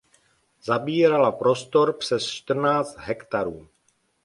Zabírala prostor přes čtrnáct hektarů.